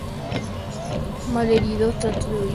Malherido, trató de huir.